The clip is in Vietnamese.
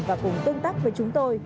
và cùng tương tác với chúng tôi